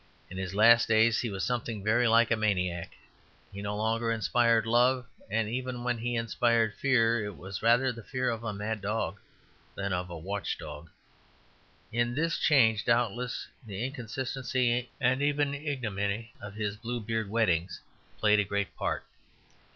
In his last days he was something very like a maniac; he no longer inspired love, and even when he inspired fear, it was rather the fear of a mad dog than of a watch dog. In this change doubtless the inconsistency and even ignominy of his Bluebeard weddings played a great part.